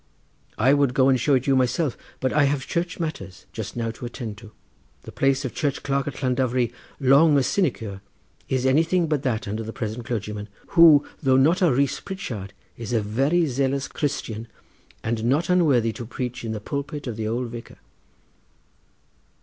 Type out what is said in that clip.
I would go and show it you myself, but I have church matters just now to attend to—the place of church clerk at Llandovery, long a sinecure, is anything but that under the present clergyman, who though not a Rees Pritchard is a very zealous Christian, and not unworthy to preach in the pulpit of the old vicar."